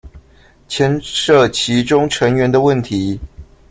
牽涉其中成員的問題